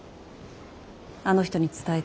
あの人に伝えて。